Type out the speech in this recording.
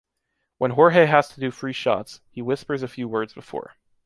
When Jorge has to do free shots, he whispers a few words before.